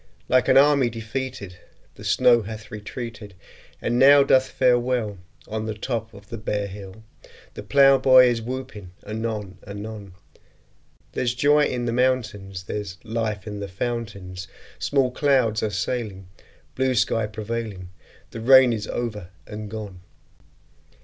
Like an army defeated The snow hath retreated, And now doth fare ill On the top of the bare hill; The plowboy is whooping anon anon: There's joy in the mountains; There's life in the fountains; Small clouds are sailing, Blue sky prevailing; The rain is over and gone!